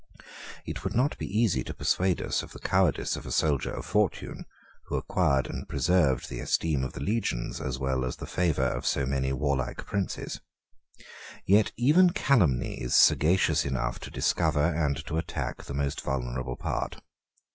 3 It would not be easy to persuade us of the cowardice of a soldier of fortune, who acquired and preserved the esteem of the legions as well as the favor of so many warlike princes. Yet even calumny is sagacious enough to discover and to attack the most vulnerable part.